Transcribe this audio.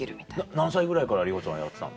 何歳ぐらいから里帆ちゃんはやってたの？